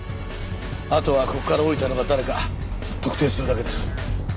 あとはここから降りたのが誰か特定するだけです。